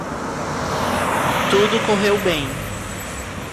Tudo correu bem.